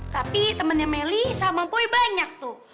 tapi temennya meli sama boy banyak tuh